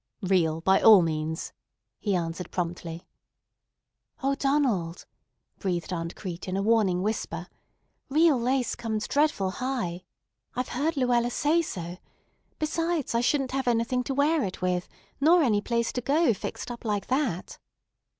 "Real, by all means," he answered promptly. "O Donald," breathed Aunt Crete in a warning whisper, "real lace comes dreadful high. I've heard Luella say so. Besides, I shouldn't have anything to wear it with, nor any place to go fixed up like that."